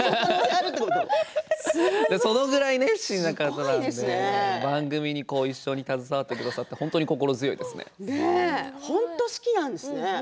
そのぐらい、すごい方なので番組で一緒に携わってくださって本当に好きなんですね。